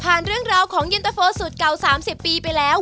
ผ่านเรื่องราวของยันตฟันสูตรเก่า๓๐ปีไปแล้ว